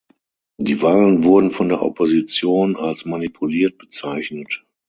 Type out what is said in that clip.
Die Wahlen wurden von der Opposition als manipuliert bezeichnet.